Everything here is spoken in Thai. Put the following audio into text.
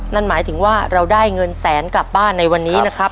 นั่นหมายถึงว่าเราได้เงินแสนกลับบ้านในวันนี้นะครับ